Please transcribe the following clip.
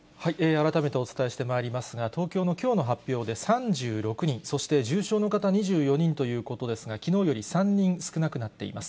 改めてお伝えしてまいりますが、東京のきょうの発表で３６人、そして重症の方２４人ということですが、きのうより３人少なくなっています。